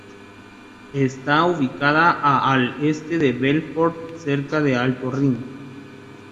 Está ubicada a al este de Belfort, cerca de Alto Rin.